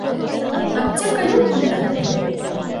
Аптека юҡ бында!